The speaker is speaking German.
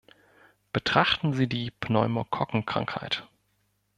Betrachten Sie die Pneumokokken-Krankheit.